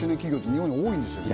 日本に多いんですよね？